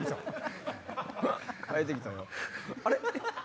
あれ？